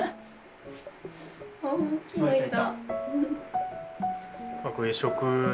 あっ大きいのいた。